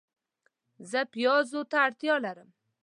زه پیازو ته اړتیا لرم